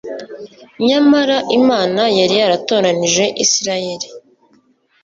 Nyamara Imana yari yaratoranije Isiraeli.